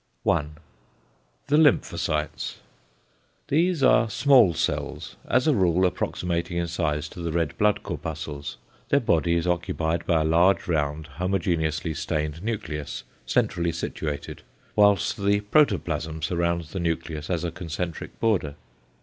1. =The Lymphocytes.= These are small cells, as a rule approximating in size to the red blood corpuscles. Their body is occupied by a large round homogeneously stained nucleus centrally situated, whilst the protoplasm surrounds the nucleus as a concentric border.